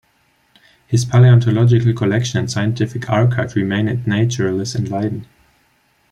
His paleontological collection and scientific archive remain at Naturalis in Leiden.